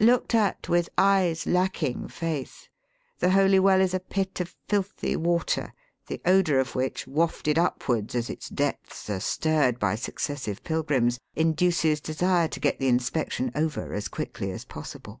Looked at with eyes lacking faith, the Holy Well is a pit of filthy water, the odour of which, waffced upwards as its depths are stirred by successive pUgrims, induces desire to get the inspection over as quickly as possible.